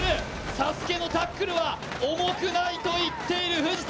ＳＡＳＵＫＥのタックルは重くないと言っている藤田。